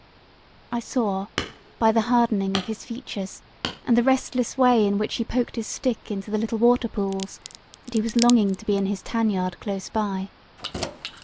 I saw, by the hardening of his features, and the restless way in which he poked his stick into the little water pools, that he was longing to be in his tan yard close by.